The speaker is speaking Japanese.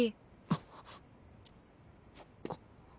あっ。